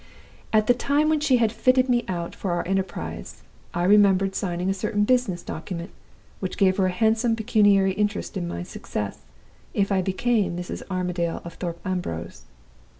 At the time when she had fitted me out for our enterprise, I remembered signing a certain business document which gave her a handsome pecuniary interest in my success, if I became Mrs. Armadale of Thorpe Ambrose.